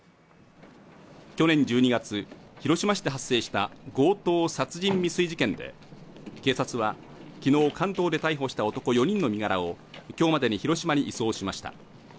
去年１２月、広島市で発生した強盗殺人未遂事件で警察は、昨日、関東で逮捕した男４人の身柄を今日までに広島に移送しました。